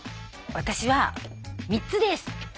私は３つです。